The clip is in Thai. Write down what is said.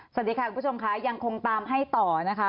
สวัสดีค่ะคุณผู้ชมค่ะยังคงตามให้ต่อนะคะ